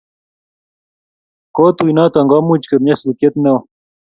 Ko tuinoto komuch koib nyasutiet neo